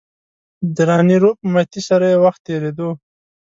د راني روپ متي سره یې وخت تېرېدو.